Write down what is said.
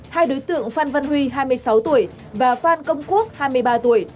hai đối tượng phan văn huy hai mươi sáu tuổi và phan công quốc hai mươi ba tuổi